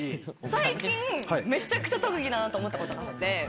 最近めちゃくちゃ特技だなと思ったことがあって。